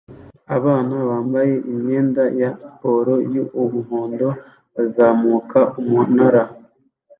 Abana bambaye imyenda ya siporo y'umuhondo bazamuka umunara